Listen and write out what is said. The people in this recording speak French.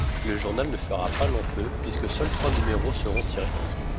Le journal ne fera pas long feu puisque seuls trois numéros seront tirés.